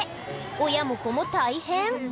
親も子も大変。